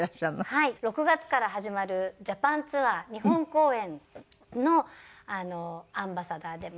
６月から始まるジャパンツアー日本公演のアンバサダーで。